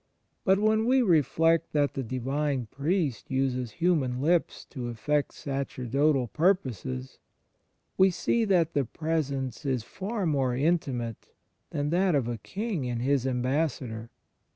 But when we reflect that the Divine Priest uses hiunan lips to effect sacerdotal purposes, we see that the Presence is far more intimate than that of a King in his ambassador.